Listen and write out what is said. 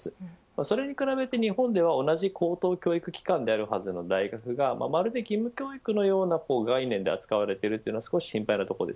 それに比べて日本では同じ高等教育機関であるはずの大学はまるで義務教育のような概念で扱われているのは少し心配です。